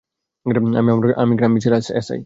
আমি ক্রাইম ব্রাঞ্চের এসআই।